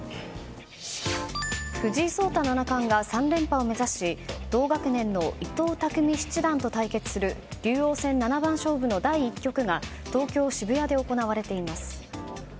藤井聡太七冠が３連覇を目指し同学年の伊藤匠七段と対決する竜王戦七番勝負の第１局が東京・渋谷で行われています。